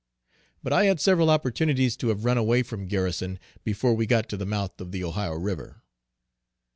But I had several opportunities to have run away from Garrison before we got to the mouth of the Ohio river.